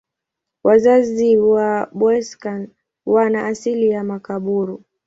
Wazazi wa Boeseken wana asili ya Makaburu.